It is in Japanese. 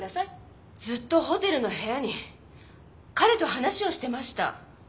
ずっとホテルの部屋に彼と話をしてました。